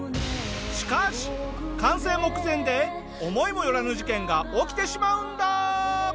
しかし完成目前で思いもよらぬ事件が起きてしまうんだ！